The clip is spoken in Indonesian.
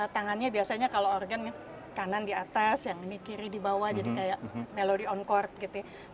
tangannya biasanya kalau organ kanan di atas yang ini kiri di bawah jadi kayak melody on court gitu